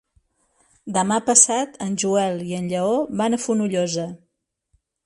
Demà passat en Joel i en Lleó van a Fonollosa.